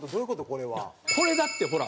これだってほら